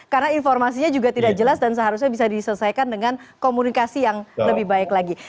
karena informasinya juga tidak jelas dan seharusnya bisa diselesaikan dengan komunikasi yang lebih baik lagi